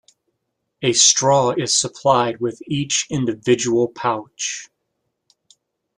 A straw is supplied with each individual pouch.